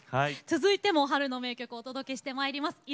続いても春の名曲をお届けしてまいります。